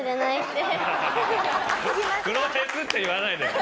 プロレスって言わないでよ。